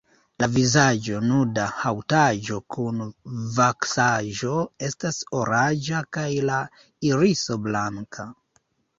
La vizaĝa nuda haŭtaĵo kun vaksaĵo estas oranĝa kaj la iriso blanka.